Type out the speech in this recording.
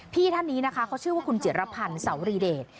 พี่ท่านนี้นะคะเขาชื่อว่าคุณจิตรภัณฑ์สาวรีเดท